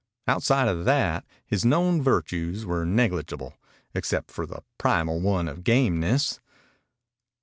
Outside of that his known virtues were negligible, except for the primal one of gameness.